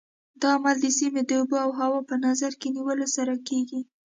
دا عمل د سیمې د اوبو او هوا په نظر کې نیولو سره کېږي.